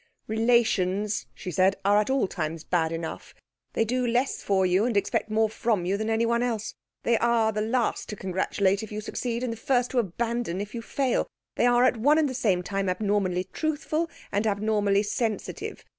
"Relations," she said, "are at all times bad enough. They do less for you and expect more from you than anyone else. They are the last to congratulate if you succeed, and the first to abandon if you fail. They are at one and the same time abnormally truthful, and abnormally sensitive.